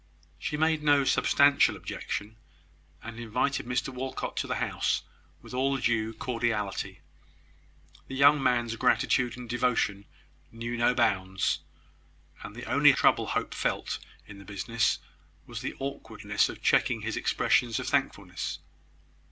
She made no substantial objection, and invited Mr Walcot to the house with all due cordiality. The young man's gratitude and devotion knew no bounds; and the only trouble Hope felt in the business was the awkwardness of checking his expressions of thankfulness.